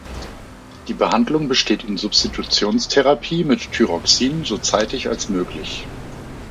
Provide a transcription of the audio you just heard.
Die Behandlung besteht in Substitutionstherapie mit Thyroxin so zeitig als möglich.